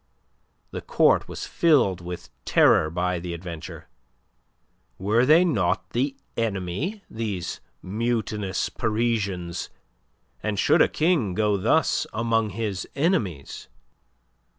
The Court was filled with terror by the adventure. Were they not the "enemy," these mutinous Parisians? And should a King go thus among his enemies?